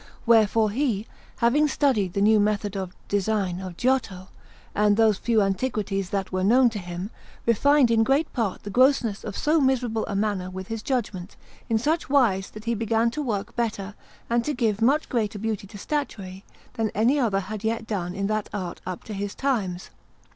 Wherefore he, having studied the new method of design of Giotto and those few antiquities that were known to him, refined in great part the grossness of so miserable a manner with his judgment, in such wise that he began to work better and to give much greater beauty to statuary than any other had yet done in that art up to his times.